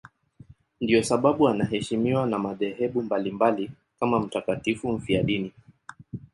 Ndiyo sababu anaheshimiwa na madhehebu mbalimbali kama mtakatifu mfiadini.